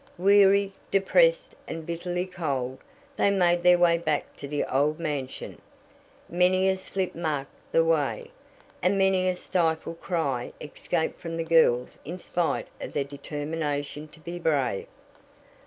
Weary, depressed and bitterly cold, they made their way back to the old mansion. Many a slip marked the way, and many a stifled cry escaped from the girls in spite of their determination to be brave.